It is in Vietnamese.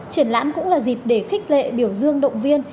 triển lãm cũng là dịp để khích lệ biểu dương động viên